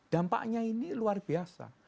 dampaknya ini luar biasa